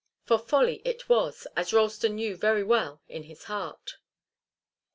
For folly it was, as Ralston knew very well in his heart.